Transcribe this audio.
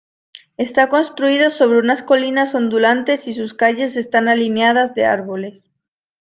Está construido sobre unas colinas ondulantes y sus calles están alineadas de árboles.